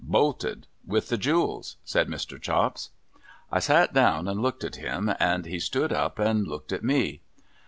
' Bolted. With the jewels,' said Mr. Chops. I sat down and looked at him, and he stood up and looked at me.